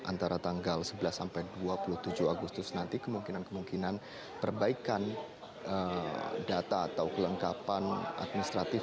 antara tanggal sebelas sampai dua puluh tujuh agustus nanti kemungkinan kemungkinan perbaikan data atau kelengkapan administratif